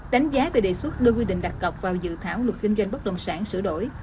đánh giá về đề xuất đưa quy định đặt cọc vào dự thảo luật kinh doanh bất đồng sản sửa đổi